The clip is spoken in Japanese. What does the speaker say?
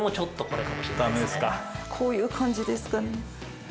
こういう感じですかね。